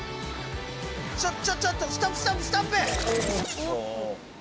ちょちょちょっとストップストップストップ！